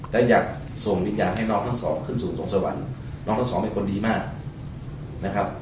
และอยากส่งวิญญาณให้น้องทั้งสองขึ้นสู่สวงสวรรค์น้องทั้งสองเป็นคนดีมากนะครับ